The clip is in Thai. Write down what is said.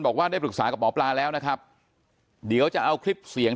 บอกว่าได้ปรึกษากับหมอปลาแล้วนะครับเดี๋ยวจะเอาคลิปเสียง